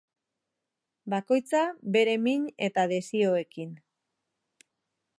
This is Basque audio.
Bakoitza bere min eta desioekin.